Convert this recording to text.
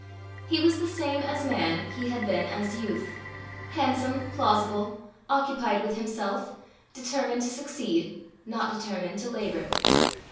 He was the same as man he had been as youth handsome, plausible, occupied with himself, determined to succeed, not determined to labour.